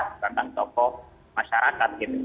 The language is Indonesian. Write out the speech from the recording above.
sebanding tokoh masyarakat gitu